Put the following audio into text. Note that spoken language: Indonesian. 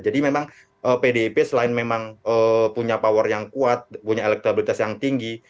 jadi memang pdip selain memang punya power yang kuat punya elektabilitas yang tinggi